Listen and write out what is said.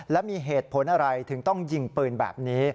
และมีเหตุผลอะไรถึงต้องยิงปืนแบบนี้